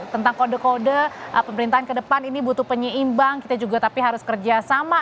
tentang kode kode pemerintahan ke depan ini butuh penyeimbang kita juga tapi harus kerjasama